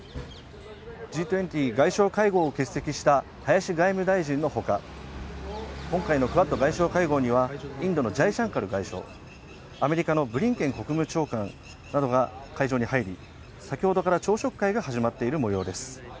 Ｇ２０外相会合を欠席した林外務大臣のほか、今回のクアッド外相会合にはアメリカのブリンケン国務長官などが会場に入り、先ほどから朝食会が始まっている模様です。